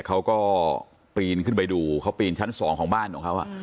เขาก็ปีนขึ้นไปดูเขาปีนชั้นสองของบ้านของเขา